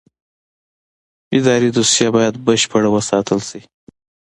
اداري دوسیه باید بشپړه وساتل شي.